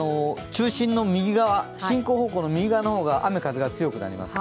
中心の右側、進行方向の右側が雨・風、強くなります。